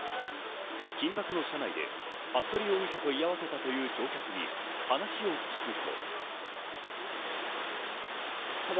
緊迫の車内で服部容疑者と居合わせたという乗客に話を聞くと。